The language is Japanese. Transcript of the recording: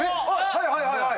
はいはいはい。